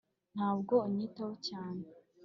ntabwo unyitaho cyane,